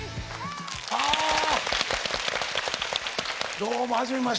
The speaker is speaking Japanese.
あどうもはじめまして。